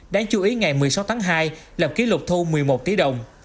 đáng chú ý ngày một mươi sáu tháng hai là ký lục thu một mươi một tỷ đồng